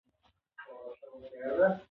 ماشوم له خپلې انا سره په مینه خبرې کولې